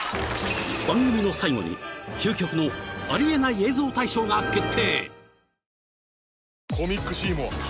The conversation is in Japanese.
［番組の最後に究極のありえない映像大賞が決定］